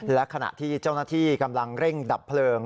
และขณะที่เจ้าหน้าที่กำลังเร่งดับเพลิง